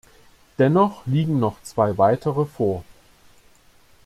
Dennoch liegen noch zwei weitere vor.